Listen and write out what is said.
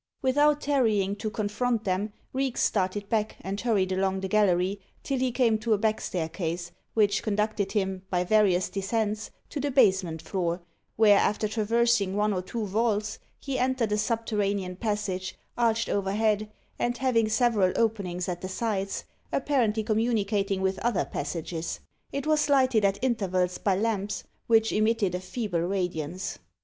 Without tarrying to confront them, Reeks started back, and hurried along the gallery till he came to a back staircase, which conducted him, by various descents, to the basement floor, where, after traversing one or two vaults, he entered a subterranean passage, arched overhead, and having several openings at the sides, apparently communicating with other passages. It was lighted at intervals by lamps, which emitted a feeble radiance.